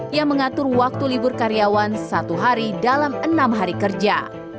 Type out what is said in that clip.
yang mengatur waktu libur karyawan satu hari dalam enam hari kerja